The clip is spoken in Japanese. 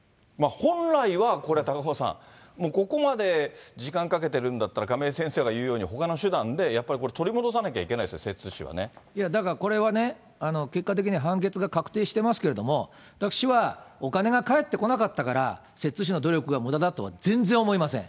本来はこれ、高岡さん、もうここまで時間かけてるんだったら、亀井先生が言うように、ほかの手段でやっぱり取り戻さなきゃいけいや、だからこれはね、結果的に判決が確定してますけれども、私はお金が返ってこなかったから、摂津市の努力がむだだとは全然思いません。